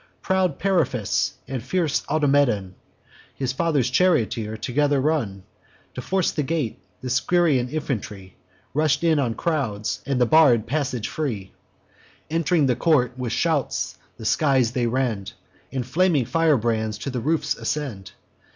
Proud Periphas, and fierce Automedon, His father's charioteer, together run To force the gate; the Scyrian infantry Rush on in crowds, and the barr'd passage free. Ent'ring the court, with shouts the skies they rend; And flaming firebrands to the roofs ascend.